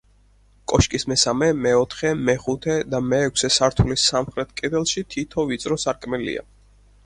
კოშკის მესამე, მეოთხე, მეხუთე და მეექვსე სართულის სამხრეთ კედელში თითო ვიწრო სარკმელია.